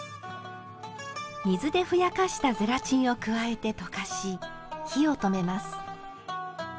水でふやかしたゼラチンを加えて溶かし火を止めます。